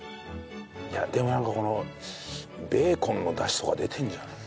いやでもなんかこのベーコンのだしとか出てるんじゃない？